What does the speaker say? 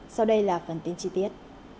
sau đây là phần tin chi tiết